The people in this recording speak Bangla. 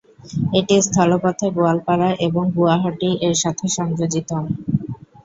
এটি স্থলপথে গোয়ালপাড়া এবং গুয়াহাটি-এর সাথে সংযোজিত।